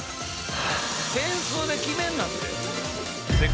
点数で決めんなって。